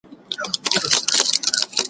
عزراییل دي ستا پر عقل برابر سي